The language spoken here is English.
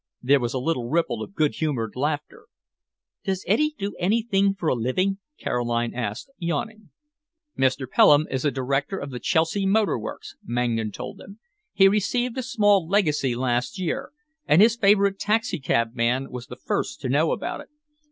There was a little ripple of good humoured laughter. "Does Eddy do anything for a living?" Caroline asked, yawning. "Mr. Pelham is a director of the Chelsea Motor Works," Mangan told them. "He received a small legacy last year, and his favourite taxicab man was the first to know about it."